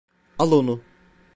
Al onu.